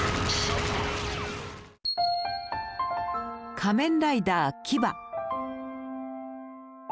「仮面ライダーキバ」。